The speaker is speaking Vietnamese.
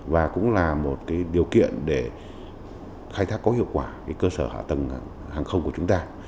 và cũng là một điều kiện để khai thác có hiệu quả cơ sở hạ tầng hàng không của chúng ta